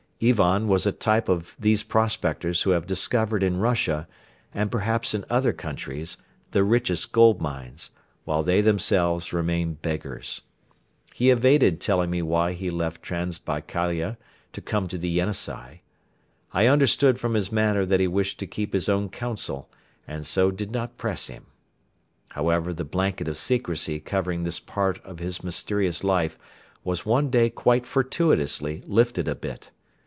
Ivan was a type of these prospectors who have discovered in Russia, and perhaps in other countries, the richest gold mines, while they themselves remain beggars. He evaded telling me why he left Transbaikalia to come to the Yenisei. I understood from his manner that he wished to keep his own counsel and so did not press him. However, the blanket of secrecy covering this part of his mysterious life was one day quite fortuitously lifted a bit.